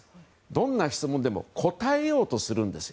どんな質問でも答えようとするんです。